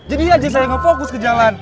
jadi aja saya ngefokus ke jalan